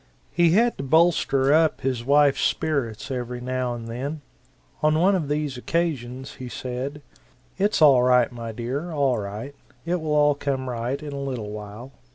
He had to bolster up his wife's spirits every now and then. On one of these occasions he said: "It's all right, my dear, all right; it will all come right in a little while.